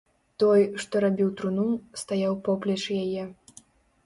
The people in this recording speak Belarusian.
Той, што рабіў труну, стаяў поплеч яе.